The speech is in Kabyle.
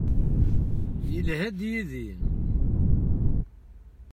Yelha-d yid-i.